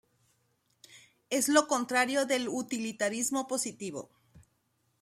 Es lo contrario del utilitarismo positivo.